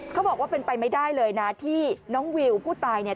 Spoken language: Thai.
เขาบอกว่าเป็นไปไม่ได้เลยนะที่น้องวิวผู้ตายเนี่ย